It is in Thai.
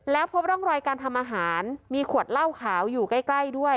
แล้วพบร่องรอยการทำอาหารมีขวดเหล้าขาวอยู่ใกล้ด้วย